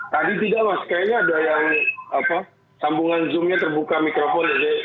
tadi tidak mas kayaknya ada yang sambungan zoomnya terbuka mikrofon